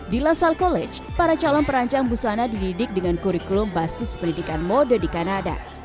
di lasal college para calon perancang busana dididik dengan kurikulum basis pendidikan mode di kanada